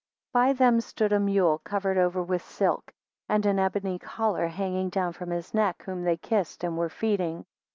12 By them stood a mule, covered over with silk, and an ebony collar hanging down from his neck, whom they kissed and were feeding.